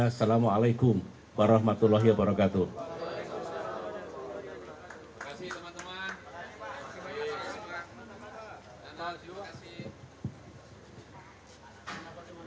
assalamu'alaikum warahmatullahi wabarakatuh